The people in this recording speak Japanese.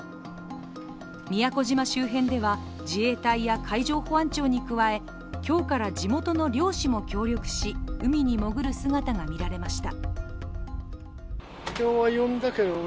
宮古島周辺では、自衛隊や海上保安庁に加え今日から地元の漁師も協力し海に潜る姿が見られました。